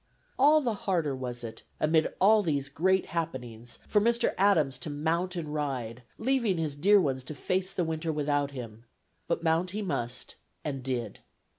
All the harder was it, amid all these great happenings, for Mr. Adams to mount and ride, leaving his dear ones to face the winter without him; but mount he must, and did.